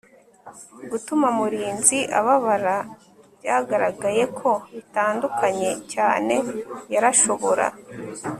gutuma mulinzi ababara byagaragaye ko bitandukanye cyane. yarashobora